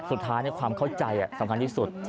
สุดท้ายความเข้าใจสำคัญที่สุด